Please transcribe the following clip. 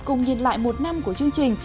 cùng nhìn lại một năm của chương trình